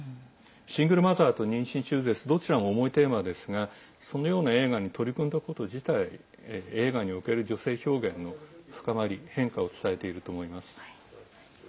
シングルマザーと妊娠中絶どちらも重いテーマですがそのような映画に取り組んだこと自体映画における女性表現の深まり変化を伝えていると思います。